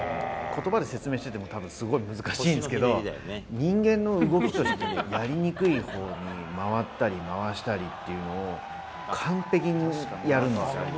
ことばで説明してても、たぶんすごい難しいんですけど、人間の動きとしてやりにくいほうに回ったり、回したりっていうのを、完璧にやるんですよ。